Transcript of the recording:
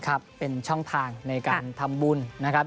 ครับเป็นช่องทางในการทำบุญนะครับ